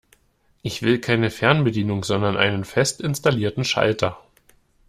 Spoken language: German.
Ich will keine Fernbedienung, sondern einen fest installierten Schalter.